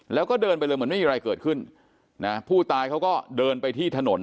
แล้วก็เดินไปเลยเหมือนไม่มีอะไรเกิดขึ้นนะผู้ตายเขาก็เดินไปที่ถนน